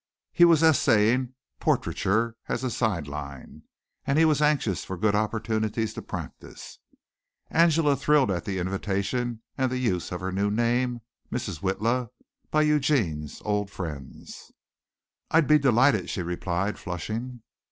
He was essaying portraiture as a side line and he was anxious for good opportunities to practice. Angela thrilled at the invitation, and the use of her new name, Mrs. Witla, by Eugene's old friends. "I'd be delighted," she replied, flushing.